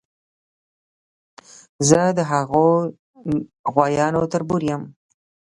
زه د هغو غوایانو تربور یم.